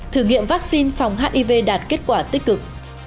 thử nghiệm vaccine phòng hiv đạt kết quả tích cực